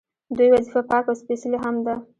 دوی وظیفه پاکه او سپیڅلې هم ده.